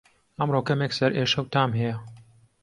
ئەمڕۆ کەمێک سەرئێشه و تام هەیە